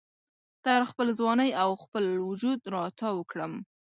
تر خپل ځوانۍ او خپل وجود را تاو کړم